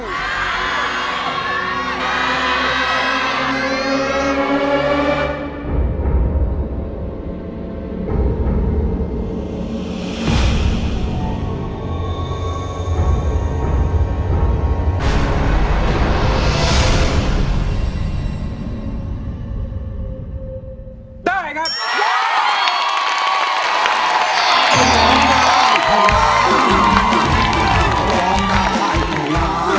สุดท้าย